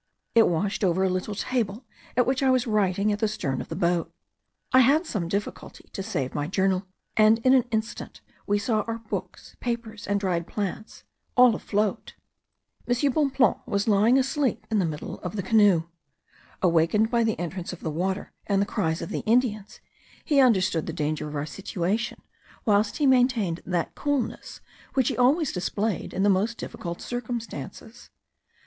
It washed over a little table at which I was writing at the stern of the boat. I had some difficulty to save my journal, and in an instant we saw our books, papers, and dried plants, all afloat. M. Bonpland was lying asleep in the middle of the canoe. Awakened by the entrance of the water and the cries of the Indians, he understood the danger of our situation, whilst he maintained that coolness which he always displayed in the most difficult circumstances.